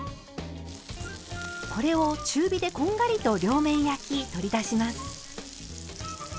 これを中火でこんがりと両面焼き取り出します。